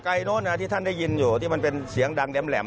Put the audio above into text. โน้นที่ท่านได้ยินอยู่ที่มันเป็นเสียงดังแหลม